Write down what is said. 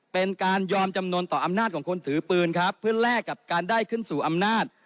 เป็นการยอมจำนวนต่ออำนาจของคนถือปืนครับเพื่อแลกกับการได้ขึ้นสู่อำนาจ